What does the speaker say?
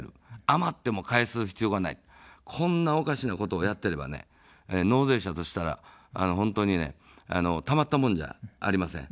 余っても返す必要がない、こんなおかしなことをやってれば納税者としたら本当にたまったもんじゃありません。